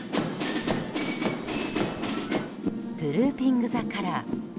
トゥルーピング・ザ・カラー。